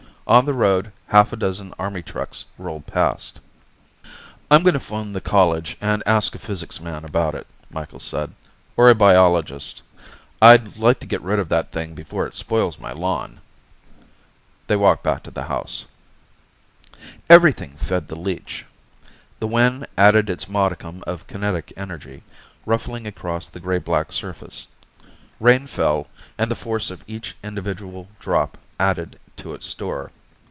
On the road, half a dozen Army trucks rolled past. "I'm going to phone the college and ask a physics man about it," Micheals said. "Or a biologist. I'd like to get rid of that thing before it spoils my lawn." They walked back to the house. Everything fed the leech. The wind added its modicum of kinetic energy, ruffling across the gray black surface. Rain fell, and the force of each individual drop added to its store.